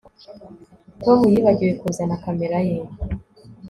Tom yibagiwe kuzana kamera ye